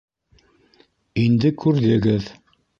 Инде күрҙегеҙ.